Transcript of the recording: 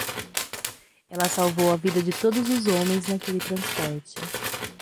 Ela salvou a vida de todos os homens naquele transporte.